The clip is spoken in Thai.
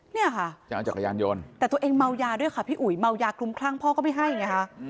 นี่ค่ะจักรยานยนต์แต่ตัวเองเมายาด้วยค่ะพี่อุ๋ยเมายากลุ่มคลั่งพ่อก็ไม่ให้อย่างนี้ค่ะ